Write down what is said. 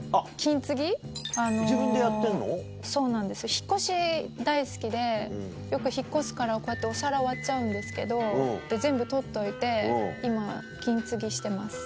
引っ越し大好きでよく引っ越すからこうやってお皿割っちゃうんですけど全部取っておいて今金継ぎしてます。